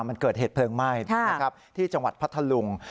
มันเกิดเหตุเพลิงไหม้ที่จังหวัดพัทธลุง